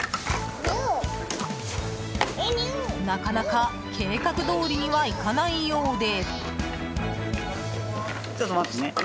なかなか計画どおりにはいかないようで。